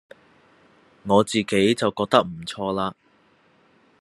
我自己就覺得唔錯啦